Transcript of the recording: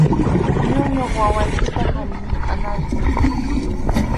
Ñuñuq wawaykita hanukʼanaykim.